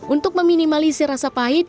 untuk meminimalisi rasa pahit